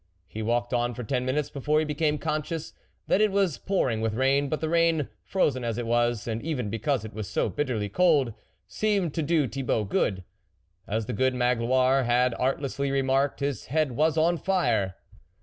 He walked on for ten minutes before he Decame conscious that it was pouring with rain but the rain, frozen as it was, and even because it was so bitterly cold, seemed to do Thibault good. As the od Magloire had artlessly remarked, his bead was on fire.